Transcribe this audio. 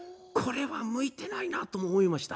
向いていないなと思いました。